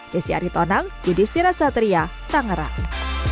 desi aritonang judi stirasatria tangerang